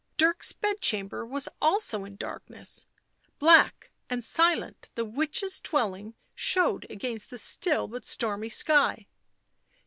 Dirk's bedchamber was also in darkness ; black and silent the witch's dwelling showed against the still but stormy sky.